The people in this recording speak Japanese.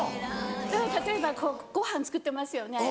だから例えばこうご飯作ってますよね。